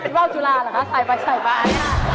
เืร่าจุลาหรือคะสายไป